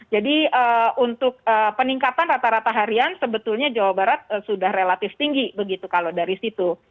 jadi untuk peningkatan rata rata harian sebetulnya jawa barat sudah relatif tinggi begitu kalau dari situ